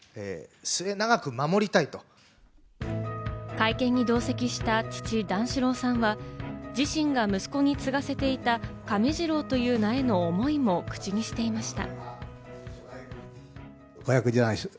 会見に同席した父・段四郎さんは自身が息子に継がせていた亀治郎という名への思いも口にしていました。